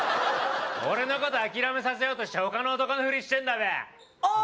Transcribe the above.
俺のこと諦めさせようとして他の男のフリしてんだべああ